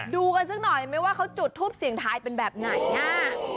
ดูกันสักหน่อยไหมว่าเขาจุดทูปเสียงทายเป็นแบบไหนอ่ะ